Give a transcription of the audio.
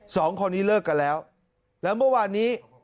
สองคนนี้เลิกกันแล้วแล้วเมื่อวานนี้